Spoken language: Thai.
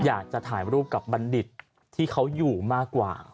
อยากจะถ่ายรูปกับบัณฑิตที่เขาอยู่มากกว่า